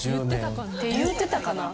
「って言ってたかな」？